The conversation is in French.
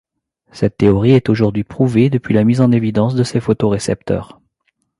Cette théorie est aujourd'hui prouvée depuis la mise en évidence de ces photorécepteurs.